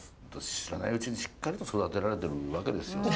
知らないうちにしっかりと育てられてるわけですよ。